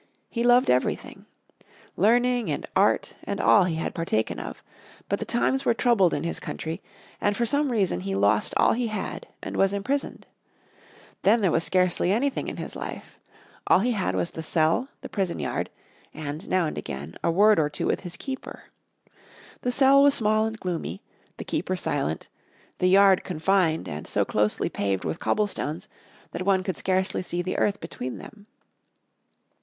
He loved everything. Learning and art and all had he partaken of. But the times were troubled in his country, and for some reason he lost all he had and was imprisoned. Then there was scarcely anything in his life. All he had was the cell, the prison yard, and, now and again, a word or two with his keeper. The cell was small and gloomy, the keeper silent, the yard confined and so closely paved with cobblestones that one could scarcely see the earth between them.